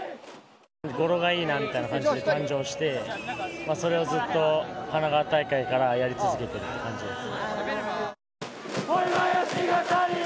語呂がいいなという感じで誕生してそれをずっと神奈川大会からやり続けてきた感じです。